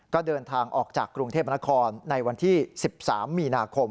ก็เดินทางออกจากกรุงเทพนครในวันที่๑๓มีนาคม